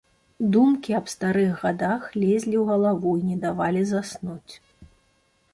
Думкі аб старых гадах лезлі ў галаву і не давалі заснуць.